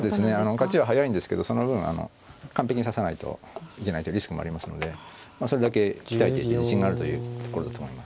勝ちは速いんですけどその分完璧に指さないといけないというリスクもありますのでそれだけ鍛えていて自信があるというところだと思います。